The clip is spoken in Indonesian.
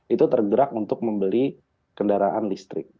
itu tergerak untuk membeli kendaraan listrik